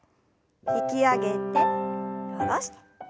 引き上げて下ろして。